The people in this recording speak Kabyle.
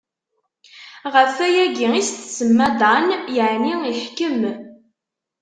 Ɣef wayagi i s-tsemma Dan, yeɛni iḥkem.